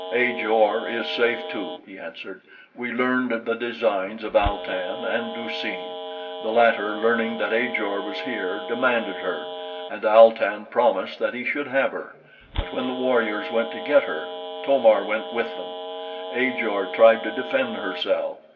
"Ajor is safe, too," he answered. "We learned the designs of Al tan and Du seen. The latter, learning that Ajor was here, demanded her; and Al tan promised that he should have her; but when the warriors went to get her To mar went with them. Ajor tried to defend herself.